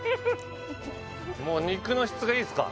もう肉の質がいいっすか？